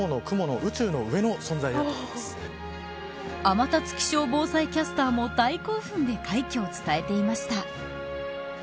天達気象防災キャスターも大興奮で快挙を伝えていました。